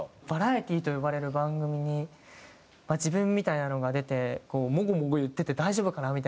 バラエティーと呼ばれる番組に自分みたいなのが出てもごもご言ってて大丈夫かな？